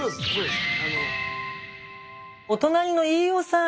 お隣の飯尾さん。